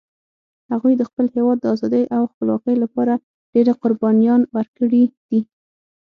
هغوی د خپل هیواد د آزادۍ او خپلواکۍ لپاره ډېري قربانيان ورکړي دي